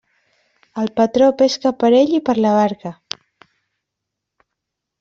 El patró pesca per ell i per la barca.